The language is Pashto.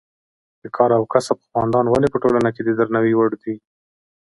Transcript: د کار او کسب خاوندان ولې په ټولنه کې د درناوي وړ وي.